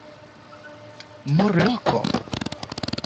Murloko.